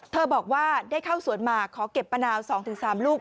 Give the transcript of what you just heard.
บอกว่าได้เข้าสวนมาขอเก็บมะนาว๒๓ลูก